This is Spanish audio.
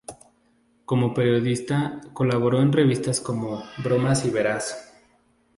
Como periodista colaboró en revistas como "Bromas y Veras.